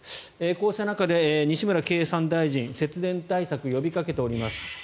こうした中で西村経産大臣節電対策、呼びかけています。